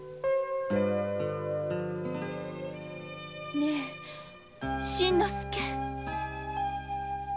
ねえ新之助。